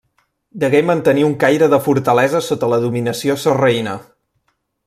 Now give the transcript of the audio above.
Degué mantenir un caire de fortalesa sota la dominació sarraïna.